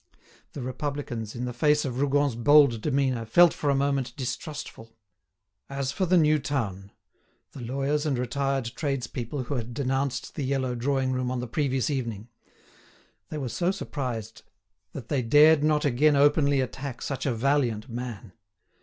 The Republicans, in the face of Rougon's bold demeanour, felt for a moment distrustful. As for the new town—the lawyers and retired tradespeople who had denounced the yellow drawing room on the previous evening—they were so surprised that they dared not again openly attack such a valiant man.